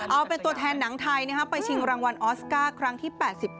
เอาเป็นตัวแทนหนังไทยไปชิงรางวัลออสการ์ครั้งที่๘๙